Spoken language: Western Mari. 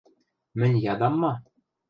— Мӹнь ядам ма?